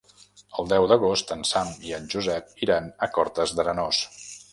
El deu d'agost en Sam i en Josep iran a Cortes d'Arenós.